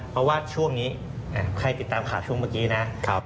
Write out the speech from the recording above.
เพราะว่าช่วงนี้ใครติดตามข่าวช่วงเมื่อกี้นะ